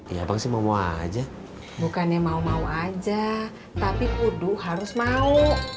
ya bang semua aja bukannya mau mau aja tapi kudu harus mau